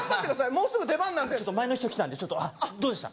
もうすぐ出番前の人来たんでちょっとどうでした？